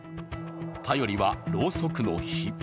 頼りはろうそくの火。